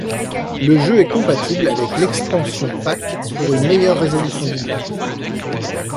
Le jeu est compatible avec l'Expansion Pak pour une meilleure résolution d'image.